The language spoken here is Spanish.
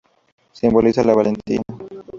Simbolizaba la valentía.